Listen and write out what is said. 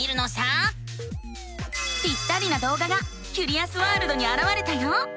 ぴったりなどうががキュリアスワールドにあらわれたよ。